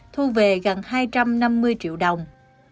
thu về gần hai trăm năm mươi triệu đồng